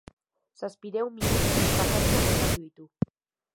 Zazpirehun minutu pasatxo jokatu ditu.